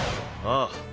ああ。